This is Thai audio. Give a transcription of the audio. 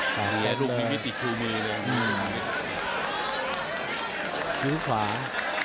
แค่ลูกมิ้มิตติดคู่มีเลยนะครับ